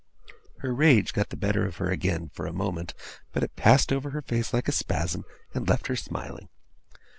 Her rage got the better of her again, for a moment; but it passed over her face like a spasm, and left her smiling.